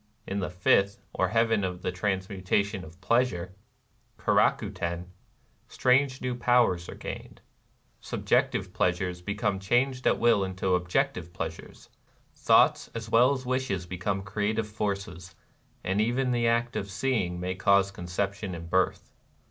In the fifth, or Heaven of the Transmutation of Pleasure (Keraku Ten)^ strange new powers are gained. Sub jective pleasures become changed at will into objective pleasures ;— thoughts as well as wishes become creative forces ;— and even the act of seeing may cause conception and birth.